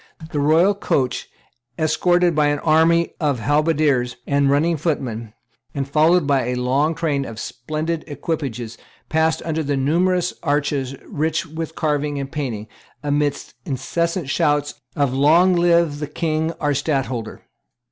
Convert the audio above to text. The royal coach, escorted by an army of halberdiers and running footmen, and followed by a long train of splendid equipages, passed under numerous arches rich with carving and painting, amidst incessant shouts of "Long live the King our Stadtholder."